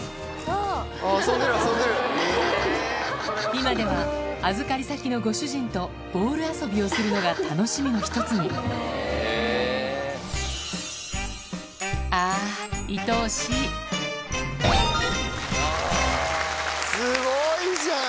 今では預かり先のご主人とボール遊びをするのが楽しみの１つにあぁいとおしいすごいじゃん。